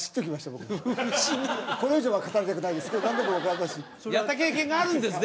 僕もこれ以上は語りたくないですけどやった経験があるんですね